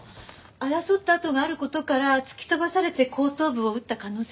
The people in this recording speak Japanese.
争った跡がある事から突き飛ばされて後頭部を打った可能性が高いわね。